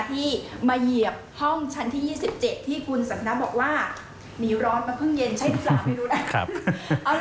ที่มาเหยียบห้องชั้นที่๒๗ที่คุณสำนักบอกว่ามีร้อนมาเพิ่งเย็นใช้ดูฝ่าไปดูนะ